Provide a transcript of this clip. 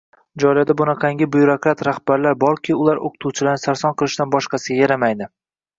Joylarda shunaqangi byurokrat rahbarlar borki, ular o‘qituvchilarni sarson qilishdan boshqasiga yaramaydi.